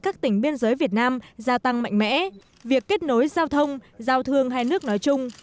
các tỉnh biên giới việt nam gia tăng mạnh mẽ việc kết nối giao thông giao thương hai nước nói chung